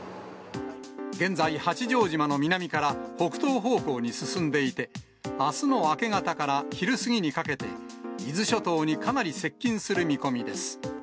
現在、八丈島の南から北東方向に進んでいて、あすの明け方から昼過ぎにかけて、伊豆諸島にかなり接近する見込みです。